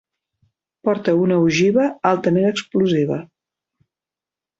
Porta una ogiva altament explosiva.